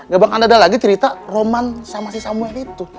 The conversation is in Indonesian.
gak bakal ada lagi cerita roman sama si samuel itu